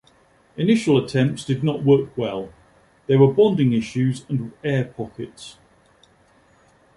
Initial attempts did not work well: there were bonding issues and air pockets.